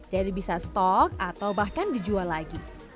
jadi bisa stok atau bahkan dijual lagi